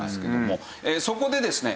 そこでですね